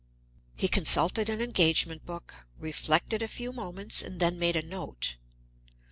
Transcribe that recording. He consulted an engagement book, reflected a few moments, then made a note.